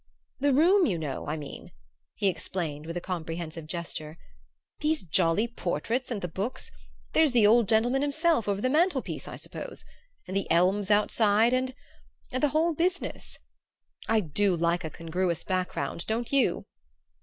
"The room, you know, I mean," he explained with a comprehensive gesture. "These jolly portraits, and the books that's the old gentleman himself over the mantelpiece, I suppose? and the elms outside, and and the whole business. I do like a congruous background don't you?"